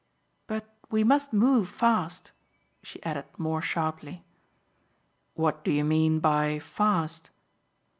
But we must move fast," she added more sharply. "What do you mean by fast?"